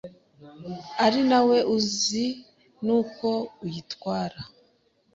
ari nawe uzi nuko uyitwara,